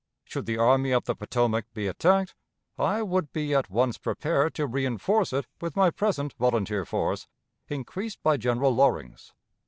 Should the Army of the Potomac be attacked, I would be at once prepared to reënforce it with my present volunteer force, increased by General Loring's.